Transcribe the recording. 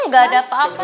gak ada apa apa